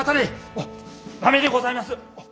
おっ駄目でございます！